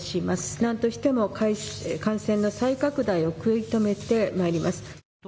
なんとしても感染の再拡大を食い止めてまいります。